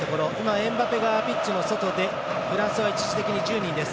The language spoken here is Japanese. エムバペがピッチの外でフランスは一時的に１０人です。